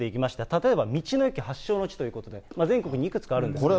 例えば道の駅発祥の地ということで、全国にいくつかあるんですけ